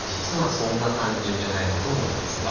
そんな単純じゃないことも多いんですね。